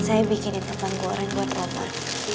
saya bikinin teman goreng buat roman